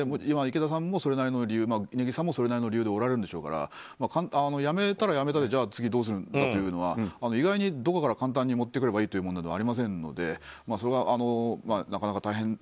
今、池田さんもそれなりの理由禰宜さんもそれなりの理由でいるでしょうから辞めたら辞めたで次どうするんだというのは意外にどこから簡単に持ってくればいいという問題ではないのでなかなか大変。